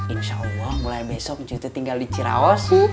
insya allah mulai besok cuy tuh tinggal di ciraos